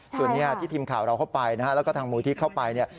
ส่วนที่ทิมข่าวเราเข้าไปแล้วทางมูญทิกเข้าไป